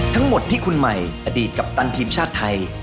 ทั้งหมดที่คุณใหม่อดีตกัปตันทีมชาติไทย